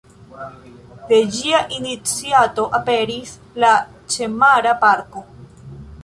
De ĝia iniciato aperis la ĉemara parko.